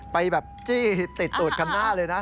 ไปแบบจี้ติดตูดคันหน้าเลยนะ